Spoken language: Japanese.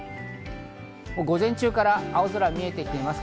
午前中から青空が見えてきます。